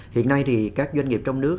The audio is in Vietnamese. hiện nay thì các doanh nghiệp trong nước